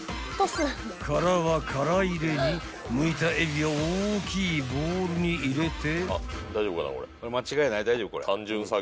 ［殻は殻入れにむいたエビは大きいボウルに入れて］